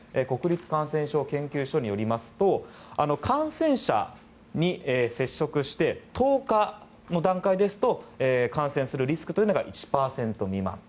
国立感染症研究所によりますと感染者に接触して１０日の段階ですと感染するリスクというのが１％未満。